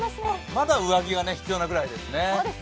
まだ上着が必要なくらいですね。